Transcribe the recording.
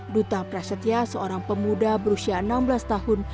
duta prasetya seorang pemuda berusia enam belas tahun